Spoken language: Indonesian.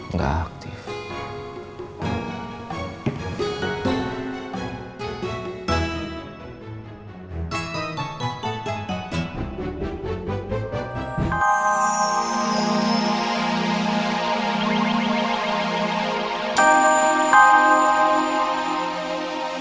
sampai jumpa lagi